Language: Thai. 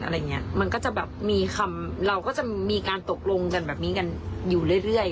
เราก็จะมีคำเราก็จะมีการตกลงกันอยู่เรื่อย